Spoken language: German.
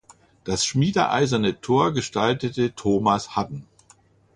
Das schmiedeeiserne Tor gestaltete Thomas Hadden.